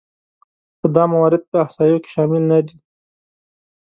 خو دا موارد په احصایو کې شامل نهدي